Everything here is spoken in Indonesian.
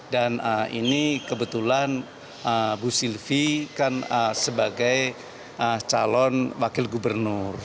dan ini kebetulan bu silvi kan sebagai calon wakil gubernur